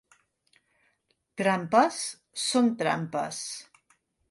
Trampes són trampes.